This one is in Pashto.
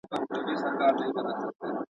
سو خبر د خپل نصیب له درانه سوکه ,